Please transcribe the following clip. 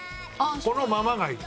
このままがいい。